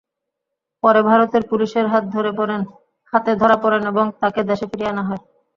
পরে ভারতের পুলিশের হাতে ধরা পড়েন এবং তাঁকে দেশে ফিরিয়ে আনা হয়।